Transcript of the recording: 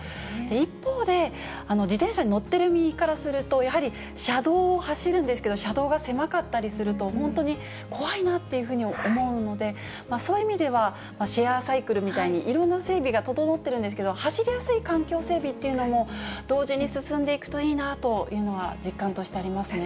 一方で、自転車に乗ってる身からすると、やはり車道を走るんですけど、車道が狭かったりすると、本当に怖いなっていうふうに思うので、そういう意味ではシェアサイクルみたいに、いろんな整備が整ってるんですけれども、走りやすい環境整備っていうのも、同時に進んでいくといいなというのは実感としてありますね。